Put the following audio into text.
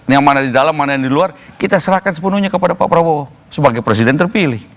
yang mana di dalam mana yang di luar kita serahkan sepenuhnya kepada pak prabowo sebagai presiden terpilih